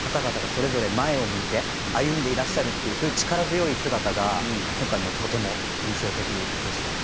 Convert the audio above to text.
それぞれ前を向いて歩んでいらっしゃる力強い姿が今回も、とても印象的でした。